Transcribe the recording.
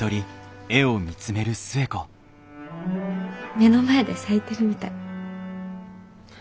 目の前で咲いてるみたい。